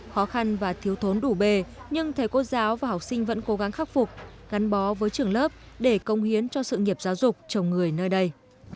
khó khăn và thiếu thốn đủ bề nhưng thầy cô giáo và học sinh vẫn cố gắng khắc phục gắn bó với trường lớp để công hiến cho sự nghiệp giáo dục chồng người nơi đây